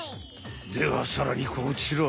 ではさらにこちら！